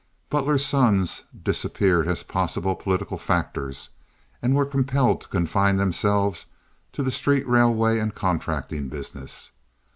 Butler's sons disappeared as possible political factors, and were compelled to confine themselves to the street railway and contracting business.